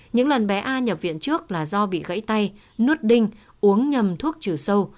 những lần bé a nhập viện trước là do bị gãy tay nướt đinh uống nhầm thuốc trừ sâu